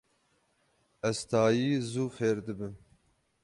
Ez tayî zû fêr dibim.